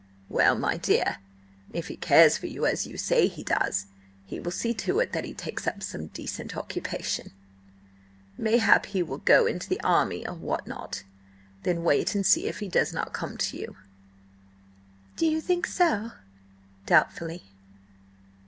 "Well, my dear, if he cares for you as you say he does, he will see to it that he takes up some decent occupation. Mayhap, he will go into the army, or what not. Then wait and see if he does not come to you." "Do you think so?" doubtfully.